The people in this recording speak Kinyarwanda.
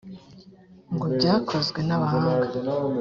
ng byakozwe n abahanga